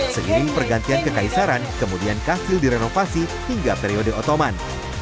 segini pergantian kekaisaran kemudian kastil direnovasi hingga periode ottoman